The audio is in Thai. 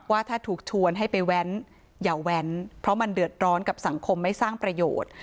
ว่าถ้าถูกชวนให้ไปแว้นอย่าแว้นเพราะมันเดือดร้อนกับสังคมไม่สร้างประโยชน์